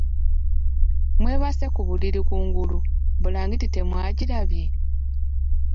Mwebase ku buliri kungulu bulangiti temwagirabye?